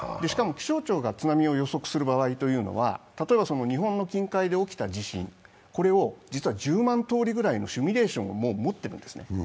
しかも気象庁が津波を予測する場合というのは例えば日本の近海で起きた地震、これを実は１０万とおりのシミュレーションを持っているんですね。